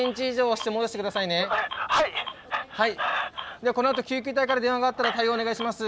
ではこのあと救急隊から電話があったら対応お願いします。